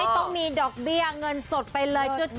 ต้องมีดอกเบี้ยเงินสดไปเลย